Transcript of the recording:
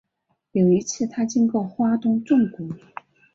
有一次他经过花东纵谷